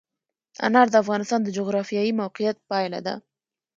انار د افغانستان د جغرافیایي موقیعت پایله ده.